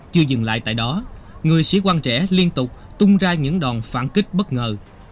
chưa dừng lại tại đó người sĩ quan trẻ liên tục tung ra những đòn phản kích bất ngờ